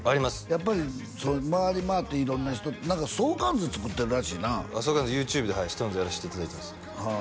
やっぱり回り回って色んな人何か相関図作ってるらしいな相関図ＹｏｕＴｕｂｅでＳｉｘＴＯＮＥＳでやらせていただいてます